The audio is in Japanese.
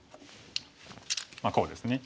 こうですね。